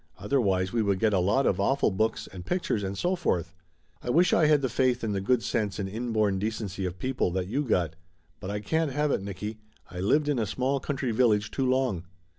Otherwise we would get a lot of awful books and pictures and so forth. I wish I had the faith in the good sense and inborn decency of people that you got. But I can't have it, Nicky. I lived in a small country village too long."